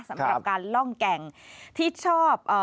สำหรับการล่องแก่งที่ชอบ